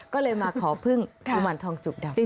ก็เลยมาขอพึ่งกุมารทองจุกดำ